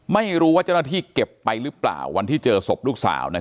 ไม่รู้ว่าเจ้าหน้าที่เก็บไปหรือเปล่าวันที่เจอศพลูกสาว